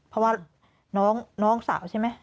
เพราะว่าน้องสาวใช่ไหม